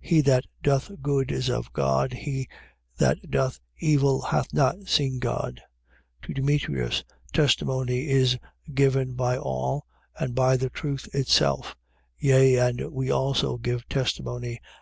He that doth good is of God: he that doth evil hath not seen God. 1:12. To Demetrius, testimony is given by all, and by the truth itself: yea and we also give testimony.